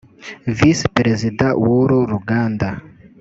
Visi Perezida w’uru ruganda